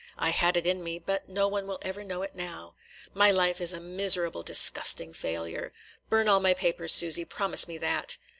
I had it in me; but no one will ever know it now. My life is a miserable, disgusting failure. Burn all my papers, Susy. Promise me that."